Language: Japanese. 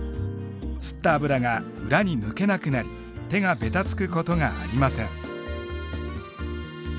吸った脂が裏に抜けなくなり手がベタつくことがありません。